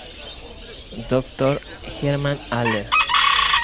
Dr. German Aller.